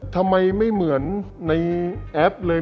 ทำไมไม่เหมือนในแอปเลย